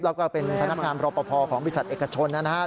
แล้วก็เป็นพนักงานรอปภของบริษัทเอกชนนะครับ